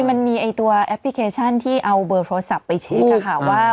มันมีตัวแอปพลิเคชันที่เอาเบอร์โทรศัพท์ไปเช็คค่ะว่า